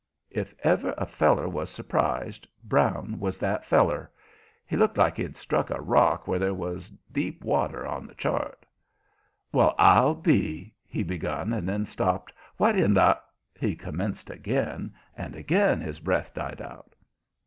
If ever a feller was surprised, Brown was that feller. He looked like he'd struck a rock where there was deep water on the chart. "Well, I'll be " he begun, and then stopped. "What in the " he commenced again, and again his breath died out.